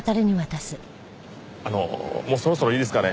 あのもうそろそろいいですかね？